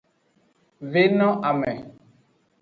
Ve no ame.